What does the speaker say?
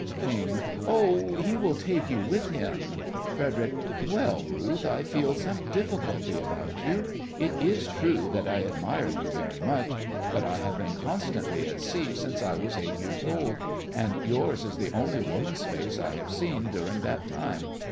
KING: Oh, he will take you with him. FREDERIC: Well, Ruth, I feel some difficulty about you. It is true that I admire you very much, but I have been constantly at sea since I was eight years old, and yours is the only woman's face I have seen during that time.